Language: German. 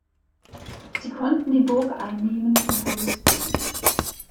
Sie konnten die Burg einnehmen und verwüsteten sie.